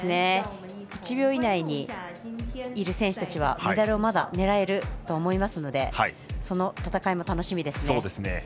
１秒以内にいる選手たちはメダルをまだ狙えると思いますのでその戦いも楽しみですね。